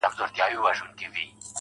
نن بيا د هغې نامه په جار نارې وهلې چي.